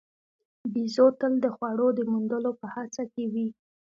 بیزو تل د خوړو د موندلو په هڅه کې وي.